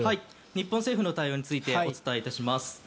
日本政府の対応についてお伝えいたします。